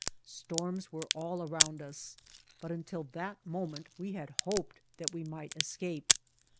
Storms were all around us, but until that moment we had hoped that we might escape.